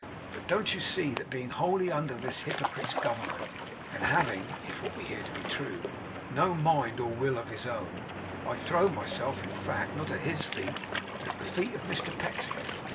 But don't you see, that being wholly under this hypocrite's government, and having (if what we hear be true) no mind or will of his own, I throw myself, in fact, not at his feet, but at the feet of Mr Pecksniff?